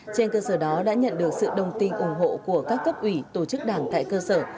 trên cơ sở đó đã nhận được sự đồng tình ủng hộ của các cấp ủy tổ chức đảng tại cơ sở